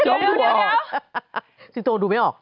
แจ๊วกดูออก